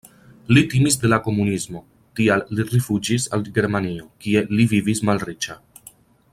Li timis de la komunismo, tial li rifuĝis al Germanio, kie li vivis malriĉa.